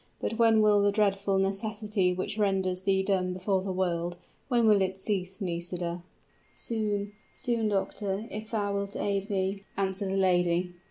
But when will the dreadful necessity which renders thee dumb before the world when will it cease, Nisida?" "Soon soon, doctor if thou wilt aid me," answered the lady.